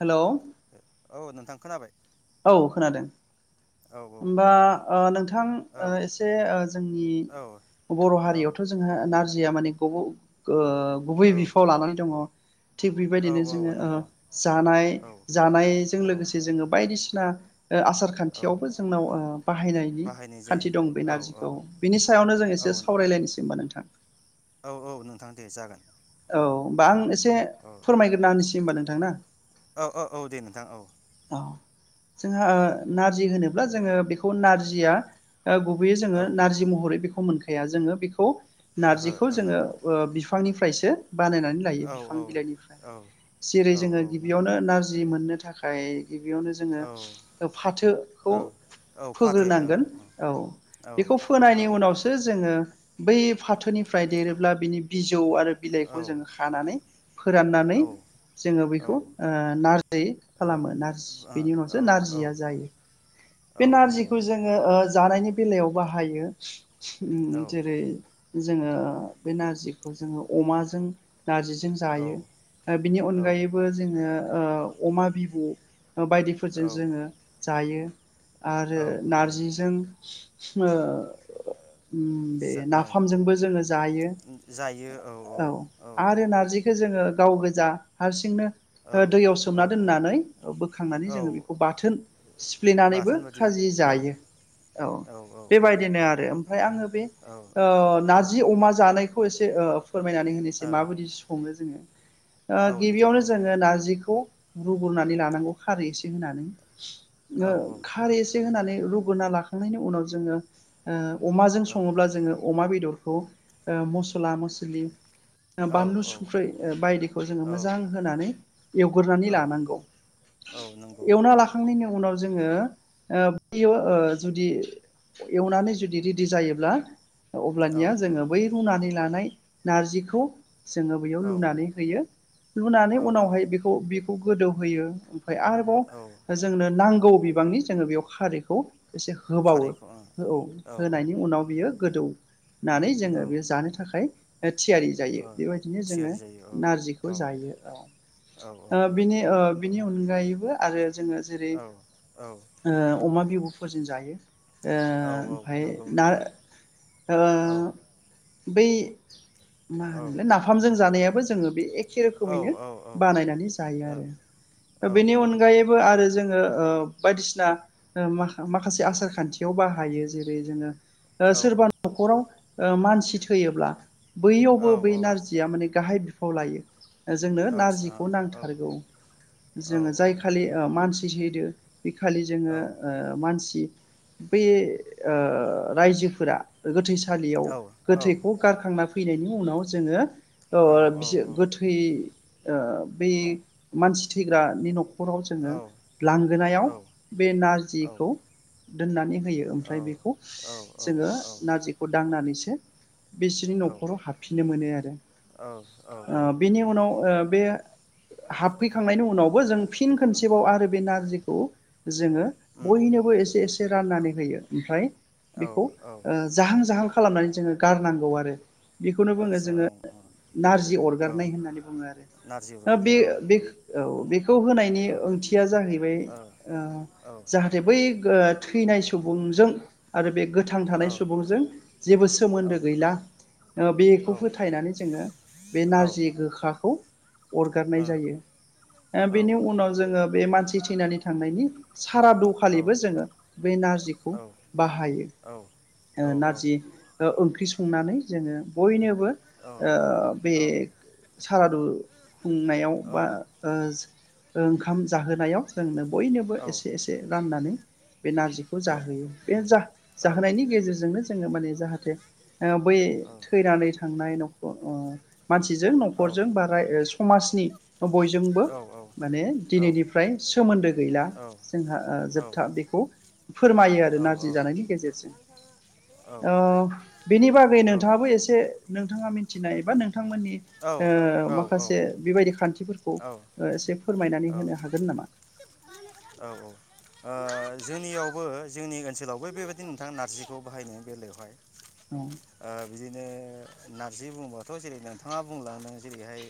हेल' ओ औ नोंथां खोनाबाय? औ खोनादों। औ होमबा ओ नोंथां औ ओ एसे ओ जोंनि बर' हारियावथ जोंहा नारजिया माने [unintelligible] ओ ओ औ गुबै बिफाव लानानै दङ। थिग औ बेबायदिनो औ जोङो ओ नंगौ जानाय औ जानाय जों औ लोगोसे जोङो बायदिसिना ना ओ आसार औ खान्थियावबो जोंनाव ओ बाहायनायनि बाहायनाय खान्थि दं बे जायो औ नारजिखौ बिनि सायावनो जों औ एसे सावराय लायनोसै मोन नोंथां। औ औ नोंथां दे जागोन। औ होमबा आं एसे औ फोरमायग्रोना होनिसै होमबा नोंथां ना? औ औ औ दे नोंथां औ जोंहा नारजि होनोब्ला जोङो बेखौ नारजिया ओ गुबैयै जोङो औ नारजि महरै बेखौ मोनखाया जोङो बेखौ नारजिखौ जोङो ओ बिफां निफ्राय फ्रायसो बानायनानै लायो बिफां ओहो बिलाइ निफ्राय ओहो औ जेरै औ जोङो औ नंगौ गिबियावनो नारजि मोननो आय गिबियावनो जोङो औ ओ फाथोखौ औ औ फोग्रो फाथो ओं नांगोन औ औ बेखौ औ फोनायनि उनावसो जोङो बै फाथो निफ्राय देरोब्ला बिनि बिजौ आरो बिलाइखौ जों खानानै फोराननानै औ जोङो बेखौ ओ नारजै खालामो नारजि बेनि उनावसो ओ औ नारजिया जायो बे औ नंगौ नारजिखौ जोङो ओ जानायनि बेलायाव बाहायो। उम औ जेरै जोङो बे नारजिखौ जोङो अमाजों नारजिजों जायो बिनि औ अनगायैबो जोङो ओ अमा बि [inaudible] बायदिफोरजों औ जोङो जायो औ आरो औ नारजिजों [unintelligible] बे जा औ नाफामजोंबो जोङो जायो औ आरो नारजिखौ जोङो गाव गोजा हारसिंनो दैयाव औ सोमना औ दोननानै बोखांनानै औ जों बेखौ बाथोन सिफ्लेनानैबो बाथोन बादि खाजि औ जायो औ बेबायदिनो आरो ओमफ्राय आ बे औ नारजि अमा जा बे खौ एसे ओ फोरमायनानै होनोसै औ माबोराय सोङो जोङो ओ औ नोंथां गिबियावनो औ जोङो नारजिखौ रुगोरना नै लानांगौ खारै एसे होनानै ओ औ औ खारै एसे होनानै रुगोना लाखांनायनि उनाव जोङो ओ अमाजों औ सङोब्ला जोङो अमा बेदर खौ ओ मसला मस्लि ओ बानलु संख्रै ओ बायदिखौ जोङो औ मोजां होनानै एवगोरानै औ लानांगौ। औ नंगौ एवना लाखांनायनि उनाव जोङो ओ जुदि एवनानै जुदि रेडि जायोब्ला औ अब्लानिया जोङो बै रुनानै लानाय नारजिखौ जोङो बेयाव औ लुनानै होयो लुनानै औ उनावहाय बेखौ बेखौ गोदौहोयो ओमफ्राय औ आरोबाव जोंनो नां गौ बिबांनि जोङो बेयाव खारिखौ एसे होबावो खारैखौ ओं औ होनायनि उनाव बियो गोदौ होननानै जोङो औ बे जानो थाखाय ए थियारि जायो ओ बेबायदिनो जोङो थियारि जायो औ नारजिखौ औ जायो ओ औ बिनि ओ बिनि अनगायैबो आरो जोंङो जेरै औ ओ अमा बि बुफोर जों जायो। ओ औ औ ओमफाय नंगौ ना ओ औ बै मा होनलाय नाफामजों जानाय बो जोङो बे एखे औ रोखोमैनो औ औ बानायनानै जायो औ आरो औ आदसा औ बेनि अनगायैबो आरो जोङो ओ बायदिसिना माखासे आसार खान्थियाव बाहायो जेरै जोङो सोरबा न'खराव मानसि थैयोब्ला। बैयावबो बै नारजिया माने गाहाइ फाव लायो। जोंनो नारजिखौ नांथारगौ। जोङो जाय खालि मा एस चि चि होदो बिखालि जोङो मानसि बे रायजोफोरा गोथै सा लियाव गोथैखौ गारखांनख फैना फैनायनि उनाव जोङो। औ बि गोथै ओ बै मानसि थैग्रानि न' खराव जोङो लांगोनायाव बे नारजिखौ दोननानै होयो आमफ्राय बेखौ जोङो नारिखौ दोननानैसो [unintelligible] बिसोरनि औ न'खराव हाबफिननो मोनो आरो औ बिनि उनाव बे हाबफै खांनायनि उनावबो जों फिन खनसेबाव आरो बे नारजिखौ जोङो उम बयनोबो एसे एसे राननानै होयो ओमफ्राय औ बेखौ औ ओ जाहा-जाहां खालामनानै जोङो गारनांगौ आरो। बेखौनो बुङो आदसा जोङो औ औ नारजि औ अरगारनाय होन्नानै बुङो आरो नारजि ओ बे अरगारनाय औ बे औ बेखौ होनायनि औ ओंथिया जाहैबाय औ ओ औ जाहाथे बै ओ थैनाय सुबुंजों आरो बे गोथां औ थानाय सुबुंजों जेबो औ ओ औ सोमोन्दो गैला ओ औ बेखौ फोथायनानै जोङो बे नारजि औ गोखाखौ अरगारनाय जायो। ओ औ बेनि उनाव जोङो बे मानसि थैनानै थांनायनि- सारादु औ औ खालिबो जोङो बे नारजिखो औ बाहायो औ ओ नारजि ओ ओंख्रि सं खुंनानै जोङो बयनोब बो ओ बे सारादु खुंनायाव बा ओंखाम जाहोनायाव जों बयनोबो एसे-एसे राननानै बे नारजिखौ जाहोयो बे जा जाहोनायनि गेजेरजोंनो जोङो माने [unintelligible] बै थैनानै थांनाय न'ख [unintelligible] मानसिजों औ न'खरजों बा रा समाजनि बयजोंबो औ औ माने औ दिनैनिफ्राय सोमोन्दो गैला जोंहा ओ जोबथा बेखौ फोरमायो आरो नारजि जानायनि गेजेरजों ओ बेनि बागै नोंथाङाबो एसे नों नोंथाङा मिथिनाय एबा नों बिथांमोननि ओ माखासे बेबायदि खान्थिफोर खौ एसे फोरमायनानै होनो हागोन नामा? ओ जोंनियावबो जोंनि ओनसोलावबो बेबायदि नोंथाङा नारजिखौ बाहायनो बेलायावहाय औ ओ बिदिनो नारजि बुङोबाथ' जेरैनो बिथाङा बुंलांदों जेरैहाय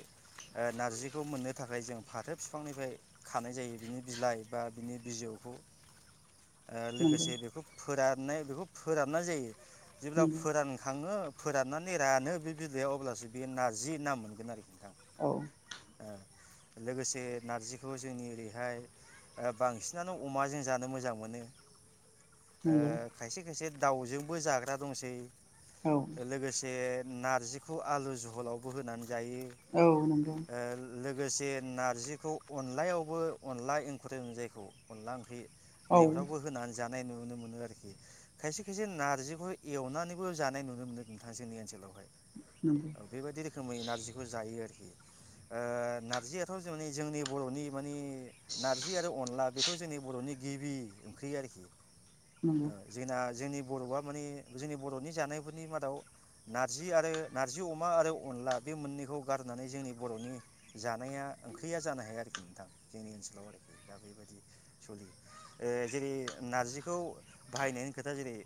नार्जिखौ मोननो थाखाय जों फाथो बिफांनिफ्राय खानाय जायो बिनि बिलाइ बा बिनि बिजौखौ नंगौ लोगोसे बेखौ फोराननाय बेखौ फोरानना जायो। जेब्ला नंगौ फोरानखाङो फोराननानै रानो बे बिलाइआव अब्लासो बे नारजि नाम मोनगोन आरोखि नोंथां औ। लोगोसे नारजिखौ जोंनि ओरैहाय बांसिनानो अमाजों जानो मोजां मोनो ओ नंगौ खायसे खायसे दाउजोंबो जाग्रा दंसै औ लोगोसे नारजिखौ आलु जह हलावबो होनानै जायो। औ नंगौ लोगोसे नारजिखौ अनलायावबो अनला ओंखुरदों जायखौ अनला ओंख्रि औ नैफ्रावबो होनानै ज जानाय नुनो मोनो आरोखि खायसे खायसे नारजिखौ एवनानैबो जानाय नुनो मोनो नोंथाङा जोंनि ओनसोलावहाय। [unintelligible] बेबायदि रोखोमै नारजिखौ जायो आरो ओ नारजियाथ' जाने जोंनि बर'नि माने नारजि आरो अनला बे थ' जोंनि बर'नि गिबि ओंख्रि आरोखि। नंगौ जोंना जोंनि बर'आ माने जोंनि बर'नि जानायफोरनि मादाव नारजि आरो नारजि अ मा आरो अनला बे मोननैखौ गारनानै जोंनि बर'नि जानाया ओंख्रैया जानो हाया आरोखि नोंथां जोंनि ओनसोलाव आरोखि दा बेबायाददि सोलियो ओ जेरै नारजिखौ बाहायनायनि खोथा जेरै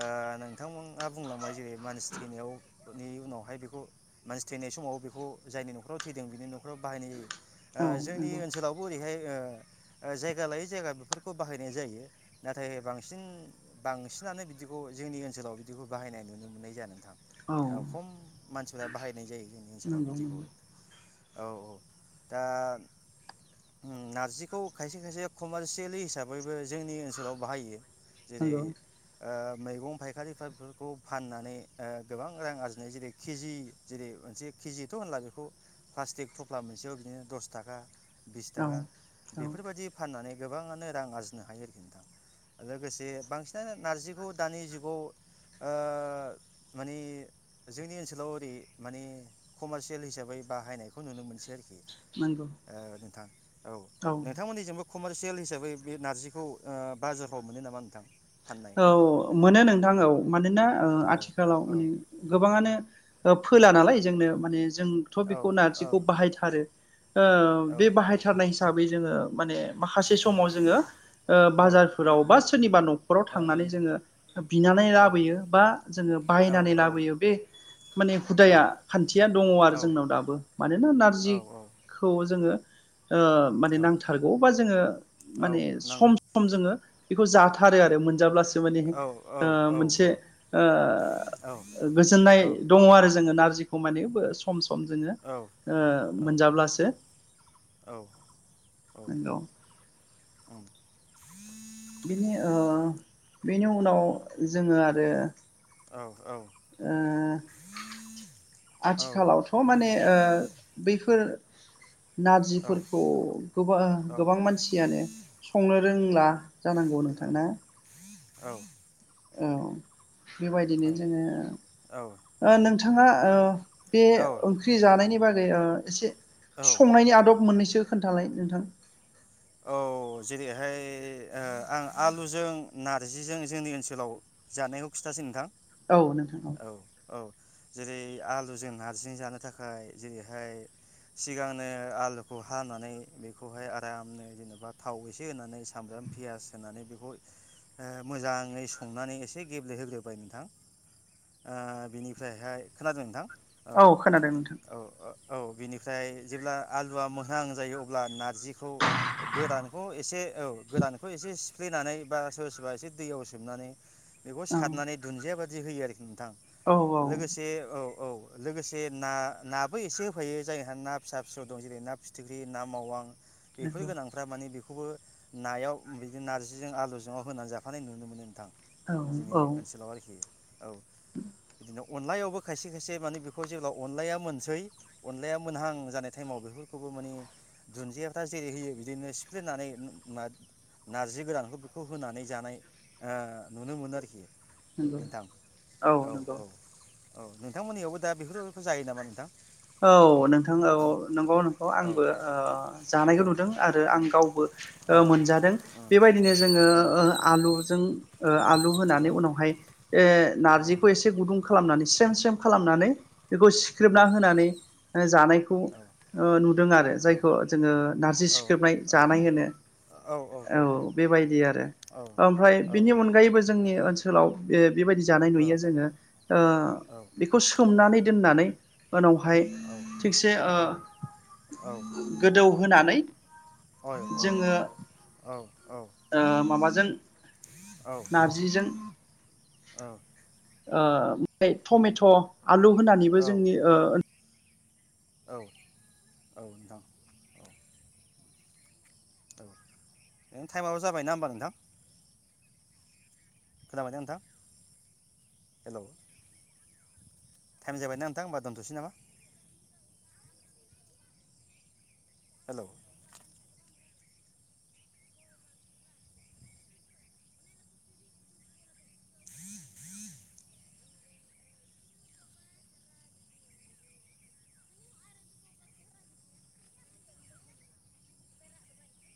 ओ नोंथांमोना बुंलांबाय जेरै मानसि थैनायावनि उनावहाय बेखौ मानसि थैनाय समाव बेखौ जायनि न'खराव थैदों बेनि न'खराव बाहायनाय जायो। औ ओ जोंनि नंगौ ओनसोलावबो ओरैहाय ओ ओ जायगा लायै जायगा बेफोरखौ बाहायनाय जायो नाथाय बांसिन बांसिनानो बिदिखौ जोंनि ओनसोलाव बिदिखौ बाहायनाय नुनो मोननाय जाया नोंथां। औ ओ खम मानसिफोरा बाहायनाय जायो। जोंनि ओनसोलाव नंगौ नंगौ बिदिखौ औ औ। दा ओम नारजिखौ खायसे खायसे कमारसियेलि हिसाबैबो जोंनि ओनसोलाव बाहायो। जेरै नंगौ ओ मैगं फायखारिफोरा बेफोरखौ फाननानै ओ गोबां रां आरजिनाय जेरै केजि जेरै मोनसे केजिथ' होनला बेखौ प्लास्टिक थफ्ला मोनसेयाव बिदिनो दस थाखा बिस औ थाखा औ बेफोरबायदि फाननानै गोबाङानो रां आरजिनो हायो आरोखि नोंथां लोगोसे बांसिनानो नारजिखौ दानि जुगाव ओ मानि जोंनि ओनसोलाव ओरै माने कमारसियेल हिसाबै बाहायनायखौ नुनो मोनसै आरोखि। नंगौ ओ नोंथां औ नोंथांमोनिजोंबो कमारसियेल हिसाबै बे नारजिखौ ओ बाजाराव मोनो नामा नोंथां? औ फाननायफोर मोनो नोंथां औ मानोना ओ औ आथिखालाव औ माने गोबाङानो फोला औ नालाय जोंनो माने जों थ' औ बेखौ नारजिखौ बाहायथारो। ओ औ बे बाहायथारनाय हिसाबै जोङो माने माखासे औ समाव जोङो ओ औ बाजारफोराव बा सोरनिबा न' थांनानै जोङो बिनानै औ लाबोयो बा जोङो बायनानै लाबोयो बे माने हुदाया खान्थिया दङ आरो औ जोंनाव दाबो मानोना नारजिखौ जों ओ ओ माने औ नांथारगौ बा जोङो औ माने सम नांगौ सम जोङो बेखौ जाथारो आरो। मोनजाब्लास माने औ औ औ मोनसे ओ औ गोजोननाय दङ आरो जोङो नार जिखौ माने सम सम जोङो औ औ मोनजाब्लासो औ औ ओं औ नंगौ। बिनि ओ बेनि उनाव जोङो आरो औ उ आथिखालावथ माने ओ बैफोर नारजिफोरखौ गोबां गोबां मानसियानो संनो रोंला जानांगौ नोंथांना औ औ बेबायदिनो जोङो ओ नोंथां थाङा औ बे ओंख्रि जानायनि बागै ओ एसे संनायनि आदब मोननैसो खोन्थालाय नोंथां औ जेरैहाय ओ आं आलुजों नारजिजों जोंनि ओनसोलाव जानायखौ खिथासै नोंथां औ नोंथां औ जेरै आलुजों नारजिं जानो थाखाय जेरैहाय सिगांनो आलुखौ हानानै बेखौहाय आरामनो जेनेबा थाव एसे होनानै सामब्राम पियास होनानै बेखौ ओ मोजाङै संनानै एसे गेब्लेहोग्रोबाय नोंथां ओ बिनिफ्रायहाय खोनादों नोंथां औ खोनादों नोंथां औ औ बिनिफ्राय जेब्ला आलुआ मोजां जायो अब्ला नारजिखौ गोदानखौ एसे औ गोदानखौ एसे खोख्लेनानै बा सोर सोरबा एसे दैयाव सोमनानै बेखौ औ सारनानै दुनन्दियाबा दि होयो आरोखि नोंथां। औ औ लोगोसे औ औ लोगोसे ना नाबो एसे होफायो जायहा ना फिसा फिसौ दं जेरै ना फिथिख्रि ना मावां फै नंगौ गोनांफा माने बे खौबो नायाव बिदिनो नारजिजों आलुजों होनानै जाफानाय नुनो मोनो नोंथां। औ जोंनि औ ओनसोलाव आरोखि। औ बिदिनो अनलायावबो खायसे खायसे माने बेखौ जेब्ला अनलाया मोनसै अनलाया मोनहां जानाय टाइमाव बेफोरखौबो माने दुन्दियाथा जेरै होयो बिदिनो सिफ्लेनानै उम नार्जि गोरानखौ बेखौ होनानै जानाय ओ नुनो मोनो आरोखि। नंगौ नोंथां औ नंगौ औ नोंथांमोननियावबो दा बेफोरफोरखौ जायो नामा नोंथां? औ नोंथां औ नंगौ नोंखौ औ आंबो जानाय औ खौ ओ नुदों आरो आं गावबो ओ उम मोनजादों बेबादिनो जोंङो उम ओ औ आलुजों ओ आलु औ होनानै उम उनावहाय ओ औ नार्जिखौ इसे गुदुं खालामनानै स्रेम स्रेम खालामनानै बेखौ औ सिख्रेबना होनानै ओ जानायखौ ओ नुदों आरो जायखौ जोङो नारजि सिख्रेबनाय औ जानाय होनो औ बेबायदि आरो ओमफ्राय बिनि अनगायैबो जोंनि ओनसो सोलाव बे बेबायदि जानाय नुयो जोङो ओ औ बेखौ सोमनानै दोननानै ओनाव हाय थिगसे ओ गोदौ होनानै जोङो औ ओ माबाजों औ नारजिजों औ ओ फ्राय टमेट आलु होनानैबो औ जोंनि ओ औ औ नोंथां औ नों टाइमाबो जाबाय ना होमबा नोंथां। खोनाबायना नोंथां? हेलौ टाइम जाबायना नोंथां होमबा दोनथसै नामा? हेलौ